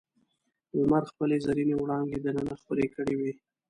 لمر خپلې زرینې وړانګې دننه خپرې کړې وې.